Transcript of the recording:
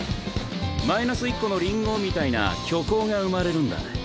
「マイナス１個のりんご」みたいな虚構が生まれるんだ。